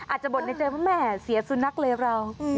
อาจจะบ่นให้เจอพ่อแม่เสียสู่นักเลวเรา